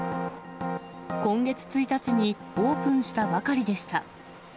今月１日にオープンしたばかりでした。